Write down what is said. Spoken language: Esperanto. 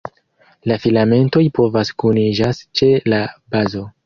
La filamentoj povas kuniĝas ĉe la bazo.